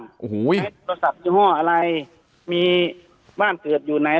ใช้โทรศัพท์ยังหวะอะไรมีบ้านเกิดอยู่ไหน